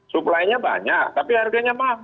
supply nya banyak tapi harganya mahal